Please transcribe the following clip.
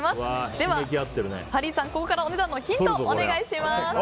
では、ハリーさんお値段のヒントをお願いします。